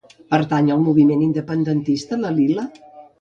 Pertany al moviment independentista la Lila?